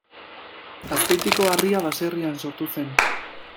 Azpeitiko Arria baserrian sortu zen.